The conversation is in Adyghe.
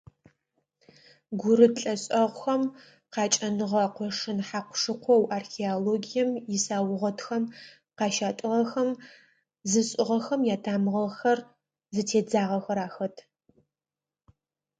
Гурыт лӏэшӏэгъухэм къакӏэныгъэ къошын хьакъу-шыкъоу археологием исаугъэтхэм къащатӏыгъэхэм зышӏыгъэхэм ятамыгъэхэр зытедзагъэхэр ахэт.